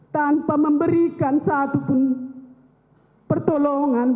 tanpa memberikan satu pun pertolongan buat anakku